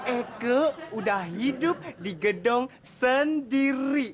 eke udah hidup di gedung sendiri